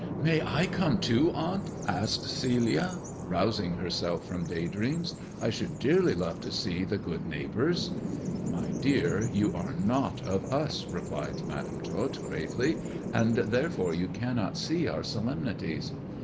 " May I come too, aunt 1 " asked Celia, rousing herself from day dreams; "I should dearly love to see the good neighbours." 596866 tk 100 THE dwarf's chamber " My dear, you are not of us," replied Madam Tot gravely, " and therefore you cannot see our solemnities."